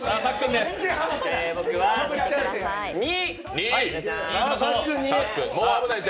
僕は２！